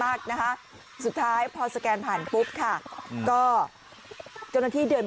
กนะคะสุดท้ายพอสแกนผ่านปุ๊บค่ะก็เจ้าหน้าที่เดิน